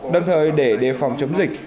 đồng thời để đề phòng chống dịch